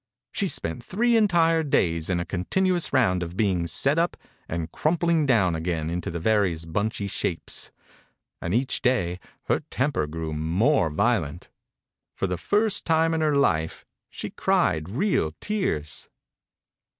She spent three entire days in a continuous round of being set up and crumpling down again into the various bunchy shapes, and each day her temper grew more violent. For the first time in her life she cried real tears.